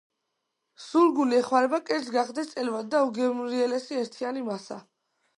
სულგუნი ეხმარება კერძს გახდეს წელვადი და უგემრიელესი ერთიანი მასა.